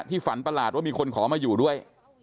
ฝันประหลาดว่ามีคนขอมาอยู่ด้วย